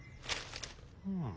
うん。